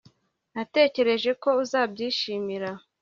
natekereje ko uzabyishimira